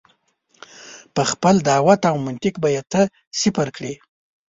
په خپل دعوت او منطق به یې ته صفر کړې.